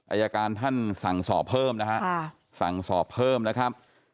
อายการท่านสั่งสอบเพิ่มนะฮะสั่งสอบเพิ่มนะครับ